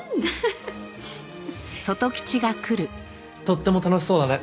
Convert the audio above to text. とっても楽しそうだね。